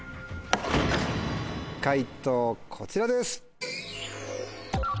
解答こちらです！